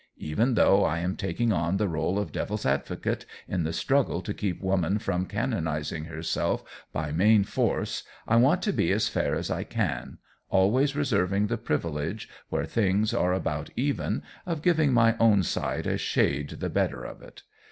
Even though I am taking on the rôle of Devil's Advocate in the struggle to keep woman from canonizing herself by main force I want to be as fair as I can, always reserving the privilege where things are about even, of giving my own side a shade the better of it.